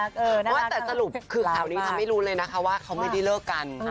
แต่ว่าแต่สรุปคือข่าวนี้ทำให้รู้เลยนะคะว่าเขาไม่ได้เลิกกัน